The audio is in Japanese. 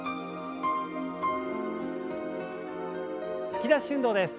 突き出し運動です。